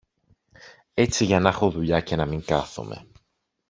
έτσι για να 'χω δουλειά και να μην κάθομαι.